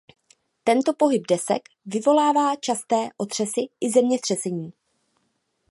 Tento pohyb desek vyvolává časté otřesy i zemětřesení.